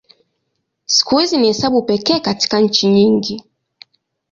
Siku hizi ni hesabu pekee katika nchi nyingi.